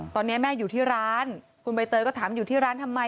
ตอนนี้แม่อยู่ที่ร้านคุณใบเตยก็ถามอยู่ที่ร้านทำไม